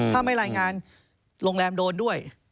ถ้าไม่รายงานโรงแรมโดนด้วย